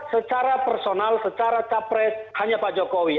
secara personal secara capres hanya pak jokowi